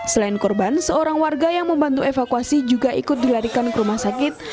selain korban seorang warga yang membantu evakuasi juga ikut dilarikan ke rumah sakit